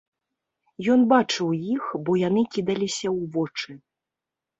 Ён бачыў іх, бо яны кідаліся ў вочы.